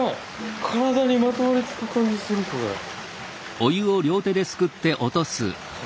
体にまとわりつく感じするこれ。